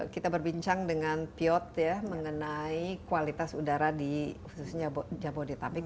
kita berbincang dengan piot ya mengenai kualitas udara di khususnya jabodetabek